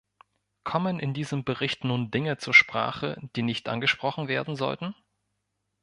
Kommen in diesem Bericht nun Dinge zur Sprache, die nicht angesprochen werden sollten?